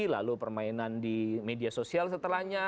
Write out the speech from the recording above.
lalu permainan di media sosial setelahnya